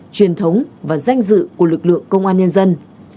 truyền thống và danh dự của lực lượng công an nhân dân